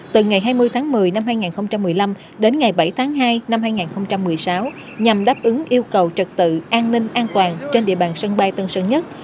từ ngày hai mươi tháng một mươi năm hai nghìn một mươi năm đến ngày bảy tháng hai năm hai nghìn một mươi sáu nhằm đáp ứng yêu cầu trật tự an ninh an toàn trên địa bàn sân bay tân sơn nhất